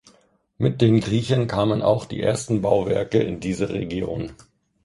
Mit den Griechen kamen auch die ersten Bauwerke in diese Region.